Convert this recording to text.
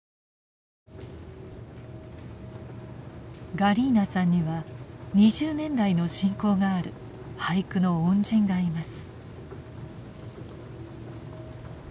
ガリーナさんには２０年来の親交がある俳句の恩人がいます。